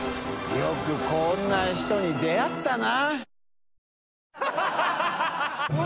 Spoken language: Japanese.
茲こんな人に出会ったな。